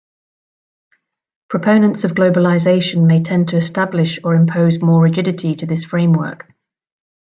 Proponents of Globalization may tend to establish or impose more rigidity to this framework.